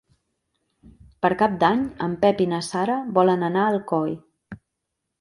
Per Cap d'Any en Pep i na Sara volen anar a Alcoi.